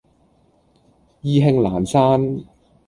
意興闌珊